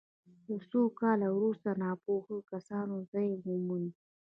له څو کالو وروسته ناپوهو کسانو ځای وموند.